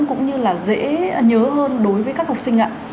cũng như là dễ nhớ hơn đối với các học sinh ạ